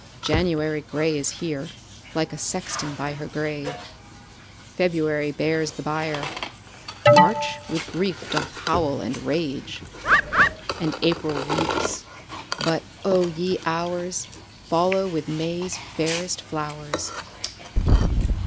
4. January gray is here, Like a sexton by her grave; _20 February bears the bier, March with grief doth howl and rave, And April weeps but, O ye Hours! Follow with May's fairest flowers.